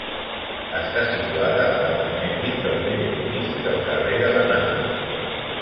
Està situada al primer pis del vell edifici del carrer de la Nau.